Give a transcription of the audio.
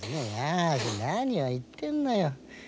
何を言ってんのよ。